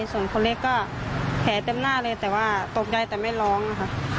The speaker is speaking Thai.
ส่วนคนเล็กก็แผลเต็มหน้าเลยแต่ว่าตกใจแต่ไม่ร้องค่ะ